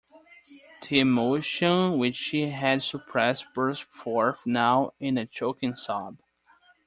The emotion which she had suppressed burst forth now in a choking sob.